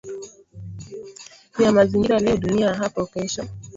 ya mazingira leo dunia hapo kesho